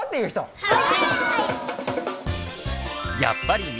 はい！